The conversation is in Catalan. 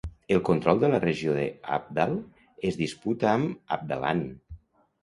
El control de la regió de Awdal es disputa amb Awdalland.